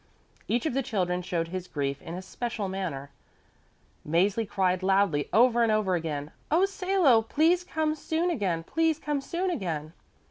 Each of the children showed his grief in a special manner. Mäzli cried loudly over and over again, "Oh, Salo, please come soon again, please come soon again."